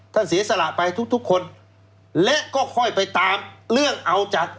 ท่านศีรสระไปทุกคนและก็ค่อยไปตามเรื่องเอาจาก